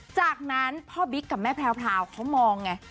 จากนั้นพ่อบิ๊กกับแม่แพรวเขามองไง